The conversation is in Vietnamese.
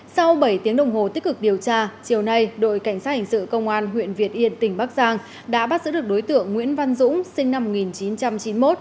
sau bảy tiếng đồng hồ tích cực điều tra chiều nay đội cảnh sát hình sự công an huyện việt yên tỉnh bắc giang đã bắt giữ được đối tượng nguyễn văn dũng sinh năm một nghìn chín trăm chín mươi một